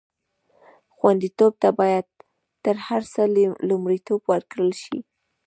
خوندیتوب ته باید تر هر څه لومړیتوب ورکړل شي.